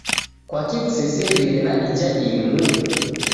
Kwaki kuseserie na ija imu